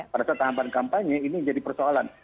pada saat tahapan kampanye ini menjadi persoalan